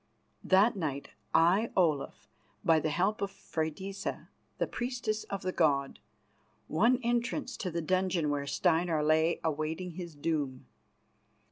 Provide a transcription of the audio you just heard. That night I, Olaf, by the help of Freydisa, the priestess of the god, won entrance to the dungeon where Steinar lay awaiting his doom.